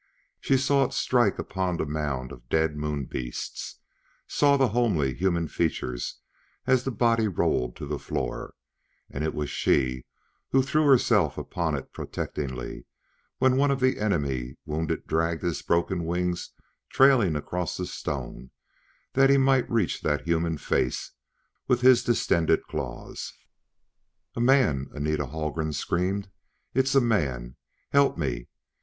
She saw it strike upon a mound of dead Moon beasts; saw the homely, human features as the body rolled to the floor; and it was she who threw herself upon it protectingly when one of the enemy wounded dragged his broken wings trailing across the stone that he might reach that human face with his distended claws. "A man!" Anita Haldgren screamed. "It's a man help me!"